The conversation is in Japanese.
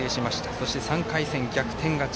そして、３回戦、逆転勝ち。